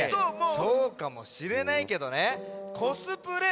そうかもしれないけどね「コスプレ！